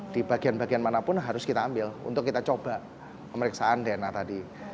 di bagian bagian manapun harus kita ambil untuk kita coba pemeriksaan dna tadi